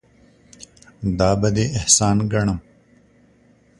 دا به دې احسان ګڼم.